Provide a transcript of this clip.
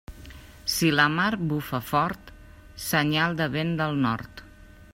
Si la mar bufa fort, senyal de vent del nord.